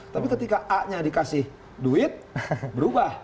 tapi ketika a nya dikasih duit berubah